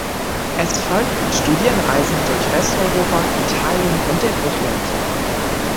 Es folgten Studienreisen durch Westeuropa, Italien und den Orient.